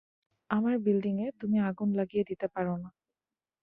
আমার বিল্ডিংয়ে তুমি আগুন লাগিয়ে দিতে পারো না!